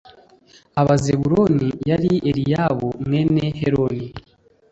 w Abazebuluni yari Eliyabu mwene Heloni